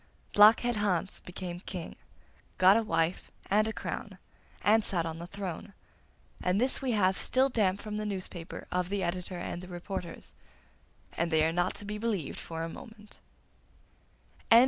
Blockhead Hans became King, got a wife and a crown, and sat on the throne; and this we have still damp from the newspaper of the editor and the reporters and they are not to be believed for a moment.